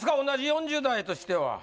同じ４０代としては。